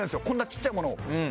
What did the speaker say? こんなちっちゃいものを。